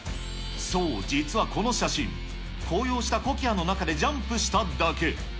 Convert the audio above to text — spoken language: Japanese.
そう、実はこの写真、紅葉したコキアの中でジャンプしただけ。